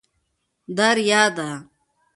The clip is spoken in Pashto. دا ریا ده.